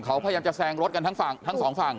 เขาพยายามจะแซงรถกันทั้งสองฝั่ง